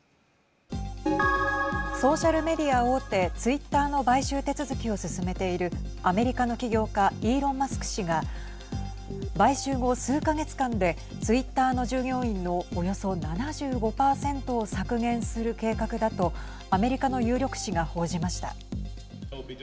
ソーシャルメディア大手ツイッターの買収手続きを進めているアメリカの起業家イーロン・マスク氏が買収後、数か月間でツイッターの従業員のおよそ７５％を削減する計画だとアメリカの有力紙が報じました。